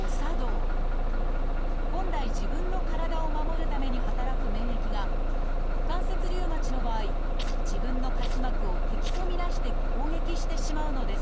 本来自分の体を守るために働く免疫が関節リウマチの場合自分の滑膜を敵と見なして攻撃してしまうのです